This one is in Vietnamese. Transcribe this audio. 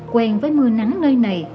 quen với mưa nắng nơi này